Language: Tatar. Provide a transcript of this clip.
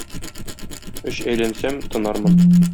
Өч әйләнсәм, тынармын